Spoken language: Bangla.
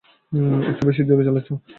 একটু বেশিই জোরে চালাচ্ছো, ভায়া।